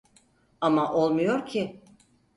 Ama olmuyor ki